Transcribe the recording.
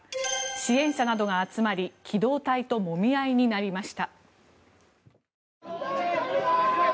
支援者などが集まり機動隊ともみ合いになりました。